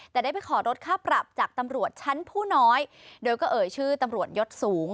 แต่ได้ไปขอลดค่าปรับจากตำรวจชั้นผู้น้อยโดยก็เอ่ยชื่อตำรวจยศสูง